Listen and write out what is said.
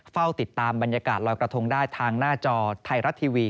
เฝ้าติดตามบรรยากาศลอยกระทงได้ทางหน้าจอไทยรัฐทีวี